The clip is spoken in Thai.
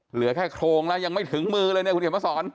เหลือแค่โครงแล้วยังไม่ถึงมือเลยเนี่ยคุณเขียนมาสอน